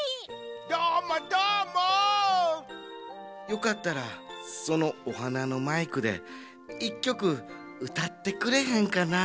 よかったらそのお花のマイクで１きょくうたってくれへんかな？